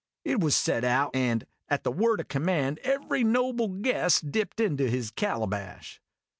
It was set out, and at the word o' command every noble guest dipped into his calabash.